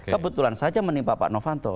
kebetulan saja menimpa pak novanto